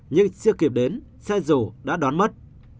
chưa kịp đến xe dù đã đón mất